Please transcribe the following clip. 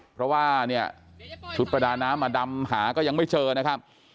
เพราะว่าเนี่ยชุดประดาน้ำมาดำหาก็ยังไม่เจอนะครับ